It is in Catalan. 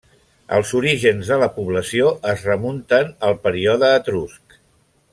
Els orígens de la població es remunten al període etrusc.